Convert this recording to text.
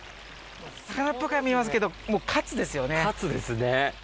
魚っぽくは見えますけど、カツですね。